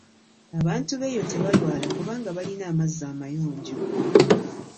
Abantu b'eyo tebalwala kubanga balina amazzi amayonjo .